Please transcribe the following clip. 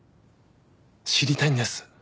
知りたいんです